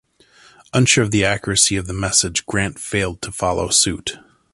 Unsure of the accuracy of the message, Grant failed to follow suit.